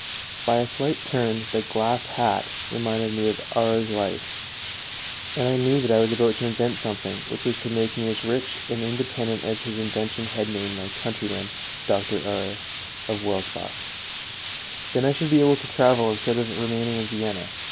By a slight turn the glass hat reminded me of Auer's light, and I knew that I was about to invent something which was to make me as rich and independent as his invention had made my countryman, Dr. Auer, of Welsbach; then I should be able to travel instead of remaining in Vienna.